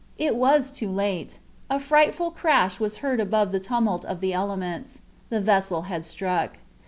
It was too late. A frightful crash was heard above the tumult of the elements. The vessel had struck.